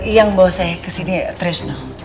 yang bawa saya kesini ya trisno